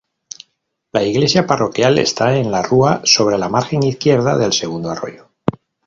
La iglesia parroquial está en la Rúa sobre la margen izquierda del segundo arroyo.